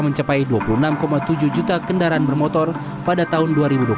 mencapai dua puluh enam tujuh juta kendaraan bermotor pada tahun dua ribu dua puluh satu